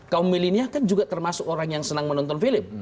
kaum milenial kan juga termasuk orang yang senang menonton film